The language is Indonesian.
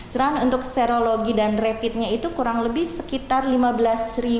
selain untuk serologi dan rapidnya itu kurang lebih sekitar lima belas dua ratus lima puluh enam standard of thyroid